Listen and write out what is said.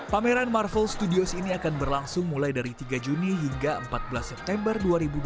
pameran marvel studios ini akan berlangsung mulai dari tiga juni hingga empat belas september dua ribu dua puluh